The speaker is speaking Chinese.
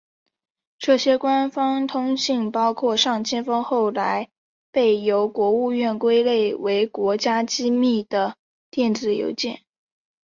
这些官方通信包括上千封后来被由国务院归类为国家机密的电子邮件。